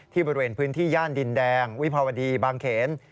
บริเวณพื้นที่ย่านดินแดงวิภาวดีบางเขน